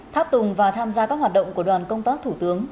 tháp tùng và tham gia các hoạt động của đoàn công tác thủ tướng